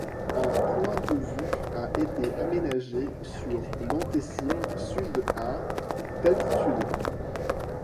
Un point de vue a été aménagé sur l'antécime sud à d'altitude.